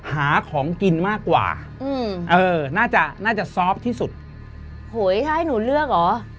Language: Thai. หาของกินมากกว่าอืมเออน่าจะน่าจะซอฟต์ที่สุดโหยถ้าให้หนูเลือกเหรอ